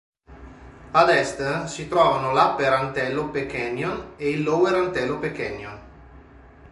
Ad est, si trovano l'Upper Antelope Canyon e il Lower Antelope Canyon.